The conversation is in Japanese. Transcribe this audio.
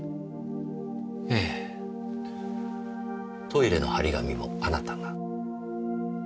トイレの張り紙もあなたが？